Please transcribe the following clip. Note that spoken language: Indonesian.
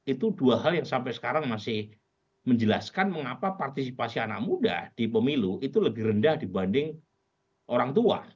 itu dua hal yang sampai sekarang masih menjelaskan mengapa partisipasi anak muda di pemilu itu lebih rendah dibanding orang tua